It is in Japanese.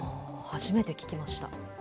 初めて聞きました。